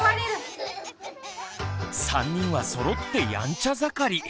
３人はそろってやんちゃ盛り。